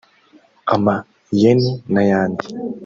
ama- yen n’ayandi